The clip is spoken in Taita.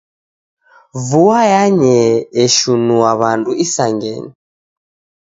Vua yanyee eshinua w'andu isangenyi.